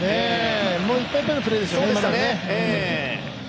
いっぱいいっぱいのプレーでしょうね。